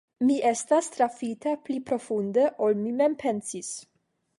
Mi estas trafita pli profunde, ol mi mem pensis.